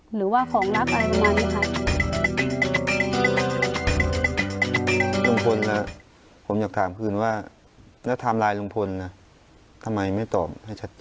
หรือว่าของลับอะไรประมาณนี้ค่ะ